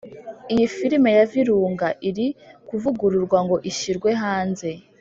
iyi filime ya Virunga, iri kuvugururwa ngo ishyirwe hanze.